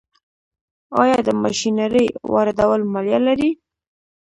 آیا د ماشینرۍ واردول مالیه لري؟